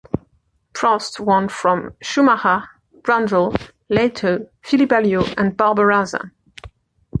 Prost won from Schumacher, Brundle, Lehto, Philippe Alliot and Barbazza.